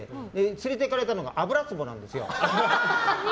連れていかれたのが油壷なんですよ。